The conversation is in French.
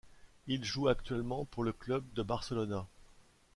Il joue actuellement pour le club de Barcelona.